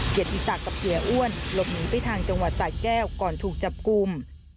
เกียรติศักดิ์กับเสียอ้วนหลบหนีไปทางจังหวัดสายแก้วก่อนถูกจับกลุ่ม